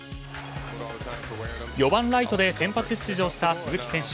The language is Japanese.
４番ライトで先発出場した鈴木選手。